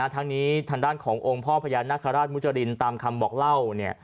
ทั้งนี้ทางด้านขององค์พ่อพญานาคาราชมุจรินตามคำบอกเล่า